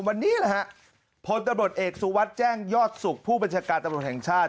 วันนี้นะฮะพลตำรวจเอกสุวัสดิ์แจ้งยอดสุขผู้บัญชาการตำรวจแห่งชาติ